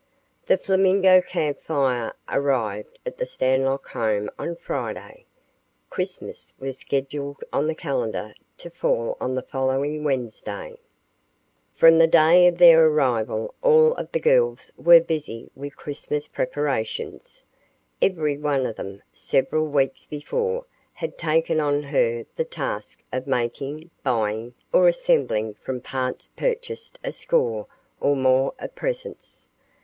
The Flamingo Camp Fire arrived at the Stanlock home on Friday. Christmas was scheduled on the calendar to fall on the following Wednesday. From the day of their arrival all of the girls were busy with Christmas preparations. Every one of them, several weeks before, had taken on her the task of making, buying, or assembling from parts purchased a score or more of presents.